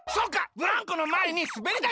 ブランコのまえにすべりだいだったか！